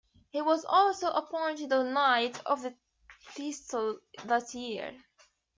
He was also appointed a Knight of the Thistle that year.